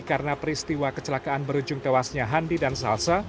karena peristiwa kecelakaan berujung tewasnya handi dan salsa